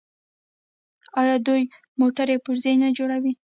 آیا دوی موټرې او پرزې نه جوړوي؟